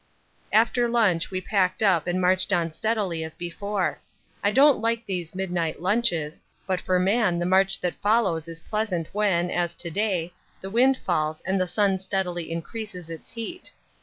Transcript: After lunch we packed up and marched on steadily as before. I don't like these midnight lunches, but for man the march that follows is pleasant when, as to day, the wind falls and the sun steadily increases its heat.